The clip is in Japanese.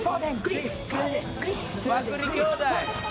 「パクり兄弟！」